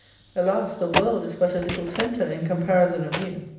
Alas the WORLD is but a little centre in comparison of you.